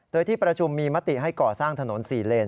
โดยที่ประชุมมีมติให้ก่อสร้างถนน๔เลน